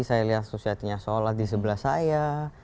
saya lihat susiatinya sholat di sebelah saya